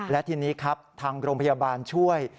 และทีนี้ครับทางโรงพยาบาลช่วย